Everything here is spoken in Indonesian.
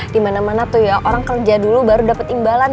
di mana mana tuh ya orang kerja dulu baru dapet imbalan